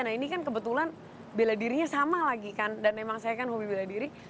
nah ini kan kebetulan bela dirinya sama lagi kan dan emang saya kan hobi bela diri